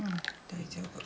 大丈夫。